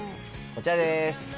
こちらです。